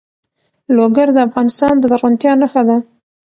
لوگر د افغانستان د زرغونتیا نښه ده.